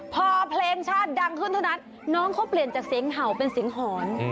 พอเพลงชาติดังขึ้นเท่านั้นน้องเขาเปลี่ยนจากเสียงเห่าเป็นเสียงหอน